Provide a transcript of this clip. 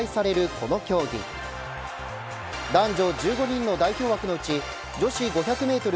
この競技男女１５人の代表枠のうち女子５００メートル